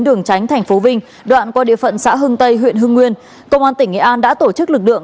đường tránh thành phố vinh đoạn qua địa phận xã hưng tây huyện hưng nguyên công an tỉnh nghệ an đã tổ chức lực lượng